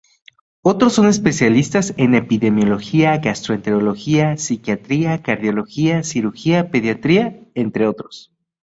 Otros son especialistas en epidemiología, gastroenterología, psiquiatría, cardiología, cirugía, pediatría, entre otros.